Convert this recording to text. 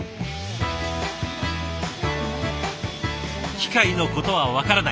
機械のことは分からない。